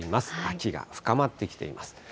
秋が深まってきています。